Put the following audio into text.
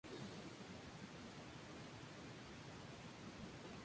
Frances E. Dolan, Penguin.